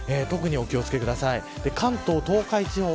特にお気を付けください。